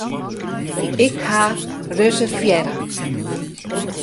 Ik ha reservearre.